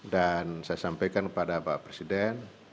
dan saya sampaikan kepada pak presiden